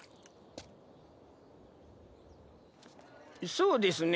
そうですね。